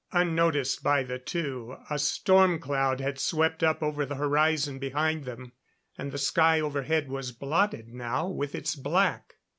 Unnoticed by the two, a storm cloud had swept up over the horizon behind them, and the sky overhead was blotted now with its black.